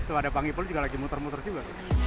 tuh ada panggipul juga lagi muter muter juga